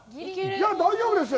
大丈夫ですよ。